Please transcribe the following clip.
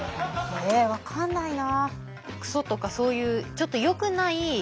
え分かんないな。